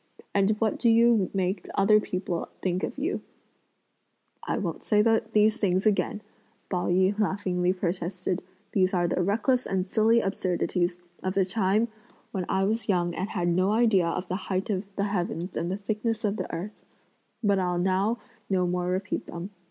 and what do you make other people think of you?" "I won't say these things again," Pao yü laughingly protested, "these are the reckless and silly absurdities of a time when I was young and had no idea of the height of the heavens and the thickness of the earth; but I'll now no more repeat them.